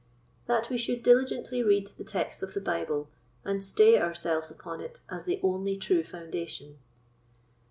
That we should diligently read the Texts of the Bible, and stay ourselves upon it as the only true Foundation.